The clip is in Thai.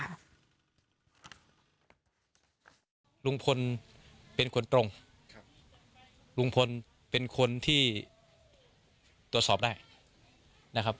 ลุงพลเป็นคนตรงครับลุงพลเป็นคนที่ตรวจสอบได้นะครับ